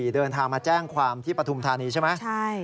เดินทางมาแจ้งความที่ปฐุมธานีใช่ไหม